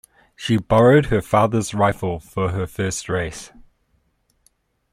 She borrowed her father's rifle for her first race.